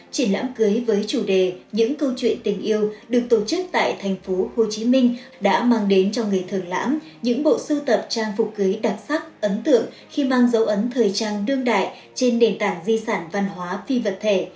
triển lãm cưới với chủ đề những câu chuyện tình yêu được tổ chức tại tp hcm đã mang đến cho người thường lãm những bộ sưu tập trang phục cưới đặc sắc ấn tượng khi mang dấu ấn thời trang đương đại trên nền tảng di sản văn hóa phi vật thể